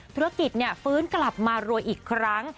ธุรกิจฟื้นกลับมารวยอีกครั้ง